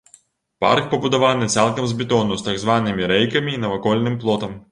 Парк пабудаваны цалкам з бетону, з так званымі рэйкамі і навакольным плотам.